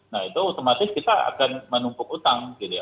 nah itu otomatis kita akan menumpuk utang gitu ya